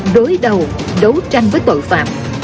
đối đầu đấu tranh với tội phạm